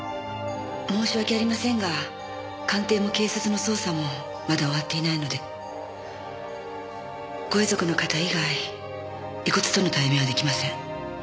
申し訳ありませんが鑑定も警察の捜査もまだ終わっていないのでご遺族の方以外遺骨との対面は出来ません。